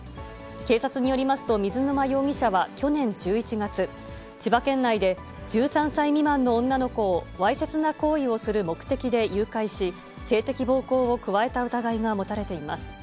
警察によりますと水沼容疑者は去年１１月、千葉県内で１３歳未満の女の子をわいせつな行為をする目的で誘拐し、性的暴行を加えた疑いが持たれています。